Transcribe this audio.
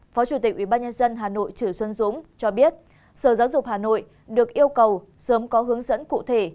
phó chủ tịch ubnd hà nội chửi xuân dũng cho biết sở giáo dục hà nội được yêu cầu sớm có hướng dẫn cụ thể